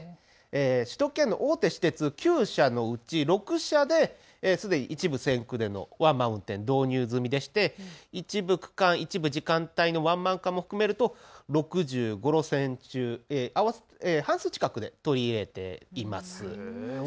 首都圏の大手私鉄９社のうち６社ですでに一部線区でのワンマン運転が導入済みでして一部区間、一部時間帯のワンマン化も含めると６５路線中、半数近くで取り入れられています。